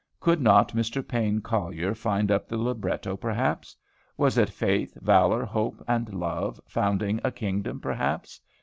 Could not Mr. Payne Collier find up the libretto, perhaps? Was it Faith, Valor, Hope, and Love, founding a kingdom, perhaps?